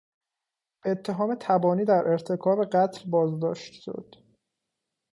به اتهام تبانی در ارتکاب قتل بازداشت شد.